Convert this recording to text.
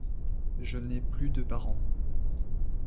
Je n’ai plus de parents.